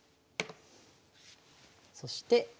そして。